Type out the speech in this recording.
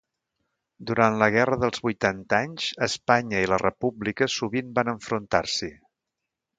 Durant la guerra dels vuitanta anys, Espanya i la República sovint van enfrontar-s'hi.